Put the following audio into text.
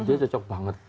dia cocok banget